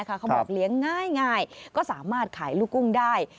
เขาบอกเลี้ยงง่ายก็สามารถขายลูกกุ้งได้